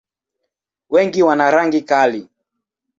Wengi wana rangi kali.